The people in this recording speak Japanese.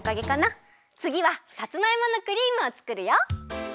つぎはさつまいものクリームをつくるよ！